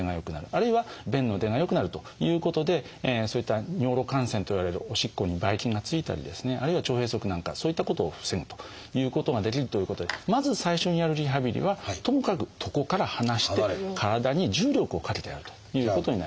あるいは便の出が良くなるということでそういった尿路感染といわれるおしっこにばい菌が付いたりですねあるいは腸閉塞なんかそういったことを防ぐということができるということでまず最初にやるリハビリはともかく床から離して体に重力をかけてやるということになります。